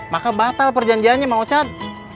maka batal perjanjiannya mau cat